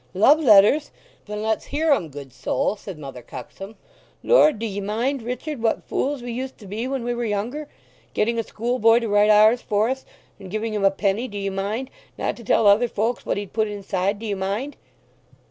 "Love letters? then let's hear 'em, good soul," said Mother Cuxsom. "Lord, do ye mind, Richard, what fools we used to be when we were younger? Getting a schoolboy to write ours for us; and giving him a penny, do ye mind, not to tell other folks what he'd put inside, do ye mind?"